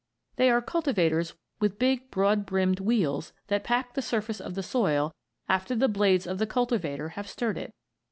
They are cultivators with big, broad brimmed wheels that pack the surface of the soil after the blades of the cultivator have stirred it.